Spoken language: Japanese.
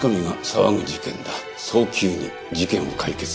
早急に事件を解決しろ。